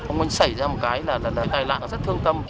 không muốn xảy ra một cái là tài lạc rất thương tâm